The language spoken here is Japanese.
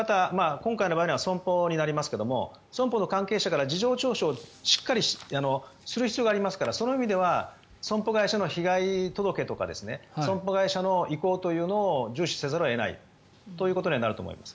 今回の場合は損保になりますが損保の関係者から事情聴取をしっかりする必要がありますからその意味では損保会社の被害届とか損保会社の意向というのを重視せざるを得ないということになると思います。